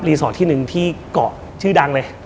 สอดที่หนึ่งที่เกาะชื่อดังเลย